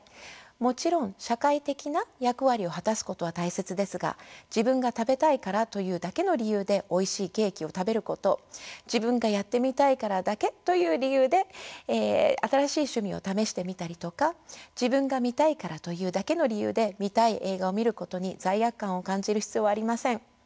もちろん社会的な役割を果たすことは大切ですが自分が食べたいからというだけの理由でおいしいケーキを食べること自分がやってみたいからだけという理由で新しい趣味を試してみたりとか自分が見たいからというだけの理由で見たい映画を見ることに罪悪感を感じる必要はありません。